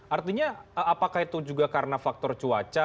artinya apakah itu juga karena faktor cuaca